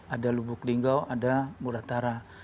ada lubuk linggo ada muratara